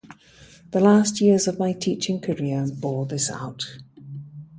The last years of my teaching career bore this out.